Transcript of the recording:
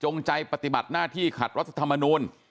จงใจปฏิบัติหน้าที่ขัดต่อรัฐธรมนุน